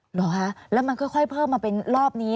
เหรอคะแล้วมันค่อยเพิ่มมาเป็นรอบนี้